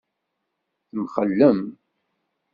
Temxellem?